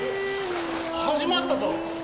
始まったぞ。